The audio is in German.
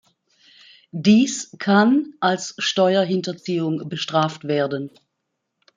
Dies kann als Steuerhinterziehung bestraft werden.